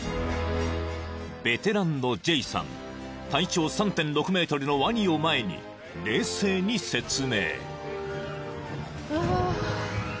［ベテランのジェイさん体長３．６ｍのワニを前に冷静に説明］